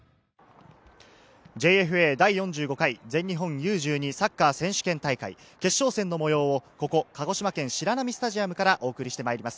ＪＦＡ第４５回全日本Ｕ−１２サッカー選手権大会決勝戦の模様をここ鹿児島県白波スタジアムからお送りしてまいります。